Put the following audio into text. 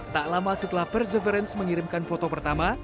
tak lama setelah perseverance mengirimkan foto pertama